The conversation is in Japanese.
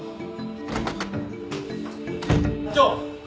課長。